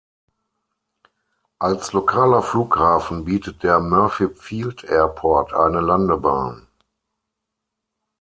Als lokaler Flughafen bietet der "Murphy Field Airport" eine Landebahn.